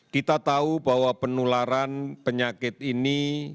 kita tahu bahwa penularan penyakit ini